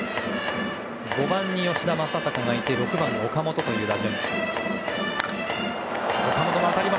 ５番に吉田正尚がいて６番に岡本という打順。